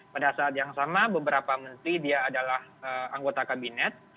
pada saat yang sama beberapa menteri dia adalah anggota kabinet